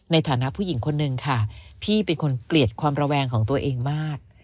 ในฐานะผู้หญิงคนนึงค่ะพี่เป็นคนเกลียดความระแวงของตัวเองมาก